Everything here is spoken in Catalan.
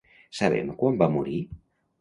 Sabem quan va morir?